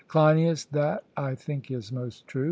CLEINIAS: That I think is most true.